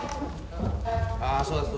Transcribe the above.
ああそうそう。